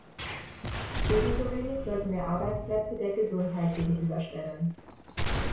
Ebensowenig sollten wir Arbeitsplätze der Gesundheit gegenüberstellen.